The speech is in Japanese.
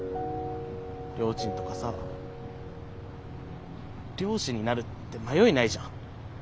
りょーちんとかさ漁師になるって迷いないじゃん。